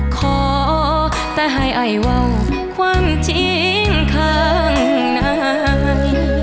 ขอแต่ให้ไอว่าวความจริงข้างนาย